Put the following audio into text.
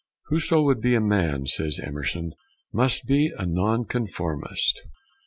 "Whoso would be a man," says Emerson, "must be a nonconformist."